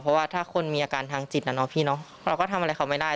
เพราะว่าถ้าคนมีอาการทางจิตเราก็ทำอะไรเขาไม่ได้